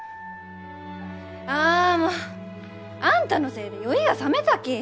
あもうあんたのせいで酔いがさめたき！